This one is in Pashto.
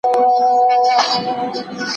ماتوي به د پولادو ځینځیرونه